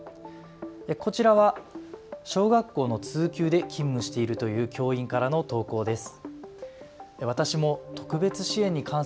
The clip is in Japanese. こちらは小学校の通級で勤務しているという教員からの投稿です。